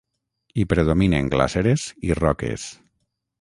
Hi predominen glaceres i roques.